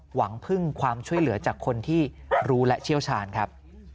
หวังพึ่งความช่วยเหลือจากคนที่รู้และเชี่ยวชาญครับ